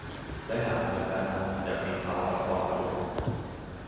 และหากมีอาการหนักจะมีภาวะปอดบวม